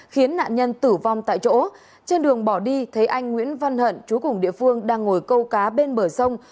khiến nạn nhân tử vong tại chỗ trên đường bỏ đi thấy anh nguyễn văn hận chú cùng địa phương đang ngồi câu cá bên bờ sông